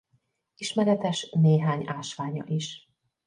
Ismeretes néhány ásványa is.